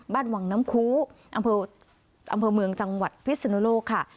วังน้ำคูอำเภอเมืองจังหวัดพิศนุโลกค่ะ